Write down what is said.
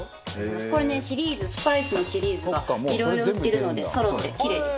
これねシリーズスパイスのシリーズがいろいろ売ってるのでそろってキレイです。